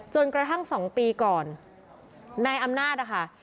จนกระทั่ง๒ปีก่อนนายอำนาจนะคะ